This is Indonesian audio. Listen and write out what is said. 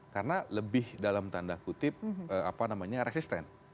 karena lebih dalam tanda kutip apa namanya resisten